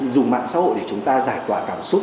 dùng mạng xã hội để chúng ta giải tỏa cảm xúc